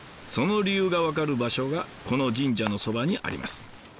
その理由が分かる場所がこの神社のそばにあります。